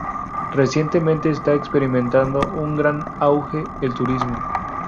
Recientemente está experimentando un gran auge el turismo.